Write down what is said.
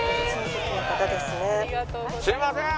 すいません。